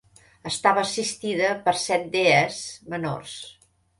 Estava assistida per set dees menors.